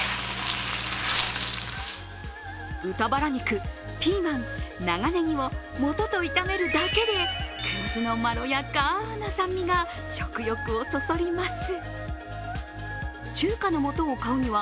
豚バラ肉、ピーマン、長ねぎを素と炒めるだけで黒酢のまろやかな酸味が食欲をそそります。